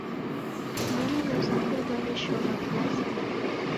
W'ana w'a skulu w'aw'eshoma klasinyi.